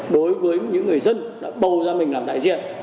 đối với những người dân đã bầu ra mình làm đại diện